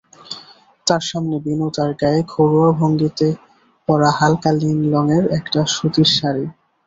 তার সামনে বিনু তার গায়ে ঘরোয়া ভঙ্গিতে পরা হালকা নীল রঙের একটা সুতির শাড়ি।